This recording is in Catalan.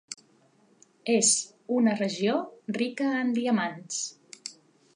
És una regió rica en diamants.